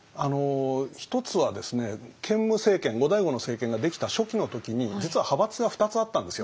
１つはですね建武政権後醍醐の政権ができた初期の時に実は派閥が２つあったんですよ。